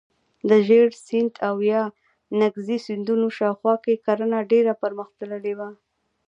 د ژیړ سیند او یانګزي سیندونو شاوخوا کې کرنه ډیره پرمختللې وه.